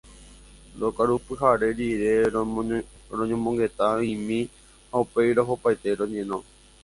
Rokarupyhare rire roñomongeta'imi ha upéi rohopaite roñeno.